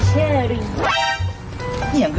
จัดกระบวนพร้อมกัน